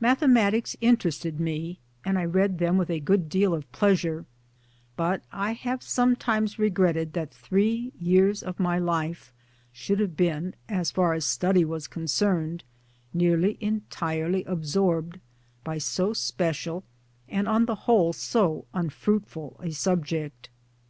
Mathematics interested me and I read them with a good deal of pleasure but I have sometimes re gretted that three years of my life should have been as far as study was concerned nearly entirely absorbed by so special and on the whole so un fruitful a subject.